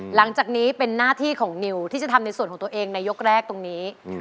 หลังจากนี้เป็นหน้าที่ของนิวที่จะทำในส่วนของตัวเองในยกแรกตรงนี้